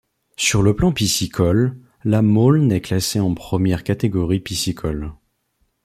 Sur le plan piscicole, la Maulne est classée en première catégorie piscicole.